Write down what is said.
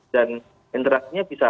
dan interaksinya bisa